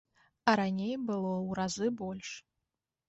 Раней было ў разы больш.